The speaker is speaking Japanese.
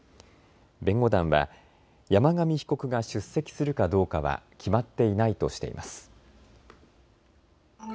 弁護団は山上被告が出席するかどうかは決まっていないとしています。